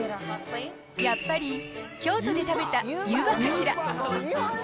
やっぱり京都で食べた湯葉かしら。